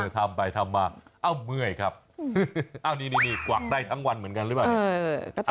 ทำไปทำมาเอ้าเมื่อยครับนี่กวักได้ทั้งวันเหมือนกันหรือเปล่าเนี่ย